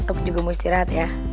untuk juga mau istirahat ya